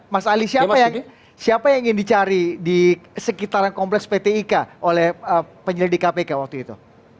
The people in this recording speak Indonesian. mas ali siapa yang ingin dicari di sekitaran kompleks pt ika oleh penyelidik kpk waktu itu